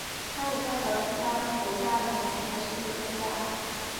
他也代表意大利国家男子排球队参赛。